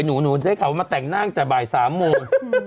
หนูจะได้ข่าวมาแต่งหน้าจากบ่าย๓โมง